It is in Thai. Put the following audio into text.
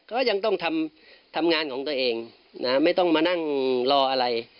ก็ยังต้องทำงานของตัวเองไม่ต้องมานั่งรออะไร